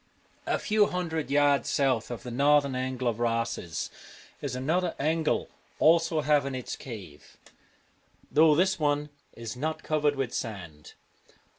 A few hundred yards southwards of the northern angle of Rosses is another angle having also its cave, though this one is not covered with sand.